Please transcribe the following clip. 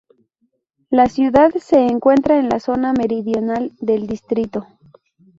La ciudad se encuentra en la zona meridional del distrito.